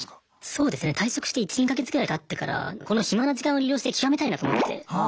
そうですね退職して１２か月ぐらいたってからこの暇な時間を利用して極めたいなと思って。